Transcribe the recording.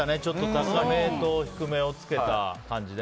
高めと低めをつけた感じで。